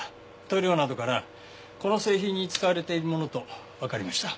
塗料などからこの製品に使われているものとわかりました。